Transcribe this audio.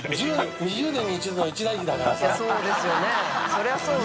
そりゃそうだ。